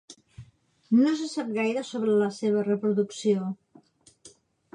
No se sap gaire sobre la seva reproducció.